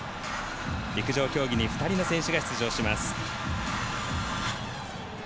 陸上競技に２人の選手が出場します。